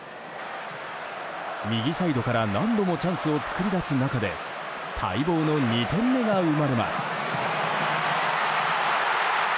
右サイドから何度もチャンスを作り出す中で待望の２点目が生まれます。